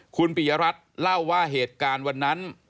คุณปิยรัฐเล่าว่าเหตุการณ์วันนั้น